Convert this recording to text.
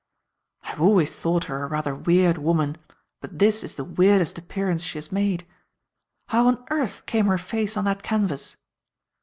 "I have always thought her a rather weird woman, but this is the weirdest appearance she has made. How on earth came her face on that canvas?"